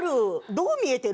どう見えてる？